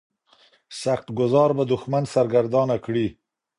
سخت ګوزار به دښمن سرګردانه کړي.